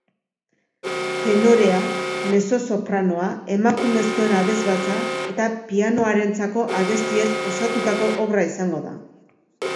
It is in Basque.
Tenorea, mezzosopranoa, emakumezkoen abesbatza eta pianorentzako abestiez osatutako obra izango da.